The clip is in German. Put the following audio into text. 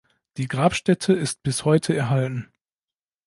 Die Grabstätte ist bis heute erhalten.